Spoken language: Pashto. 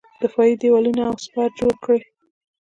دفاعي دېوالونه او سپر جوړ کړي.